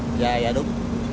dạ dạ đúng